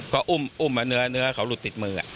ก็อุ้มเนื้อเขาหลุดติดมือ